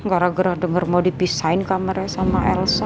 gara gara denger mau dipisahin kamarnya sama elsa